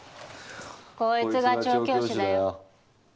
こいつが調教師だよ